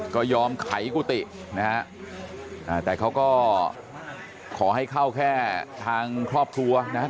ก็ยอมไขกุฏินะฮะแต่เขาก็ขอให้เข้าแค่ทางครอบครัวนะฮะ